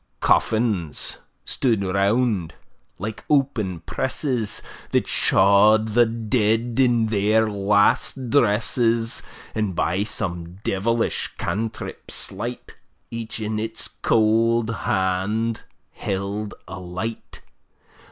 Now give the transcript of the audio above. Coffins stood round, like open presses, That shaw'd the dead in their last dresses; And by some devilish cantrip slight, Each in its cauld hand held a light.